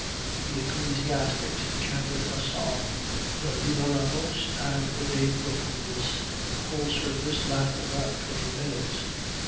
The ecclesiatics chanted a psalm, the Libera nos and the De profundis. The whole service lasted about twenty minutes.